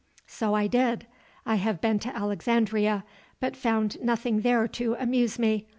"So I did. I have been to Alexandria, but found nothing there to amuse me.